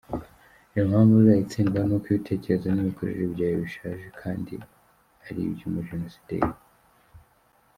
Impamvu uzayitsindwa nuko ibitekerezo n’imikorere byawe bishaje kandi aribyumujenosideri.